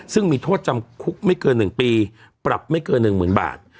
ซึ่งมีโทษจำคุกไม่เกินหนึ่งปีปรับไม่เกินหนึ่งหมื่นบาท